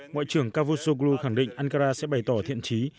ngoại trưởng cavusoglu khẳng định ankara sẽ bày tỏ thiện trí